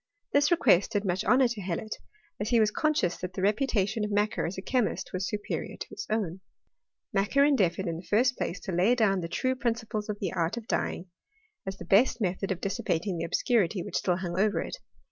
This request did much honour to Hellot, as he was conscious that the reputation of Macquer as a chemist was su perior to his own. Macquer endeavoured, in the first place, to lay down the true principles of the art of dyeing, as the best method of dissipating the obscurity which still hung over it.